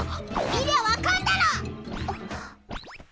見りゃ分かんだろ！